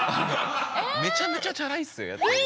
めちゃめちゃチャラいっすよやってること。